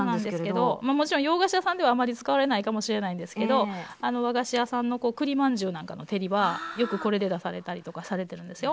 そうなんですけどもちろん洋菓子屋さんではあまり使われないかもしれないんですけど和菓子屋さんの栗まんじゅうなんかの照りはよくこれで出されたりとかされてるんですよ。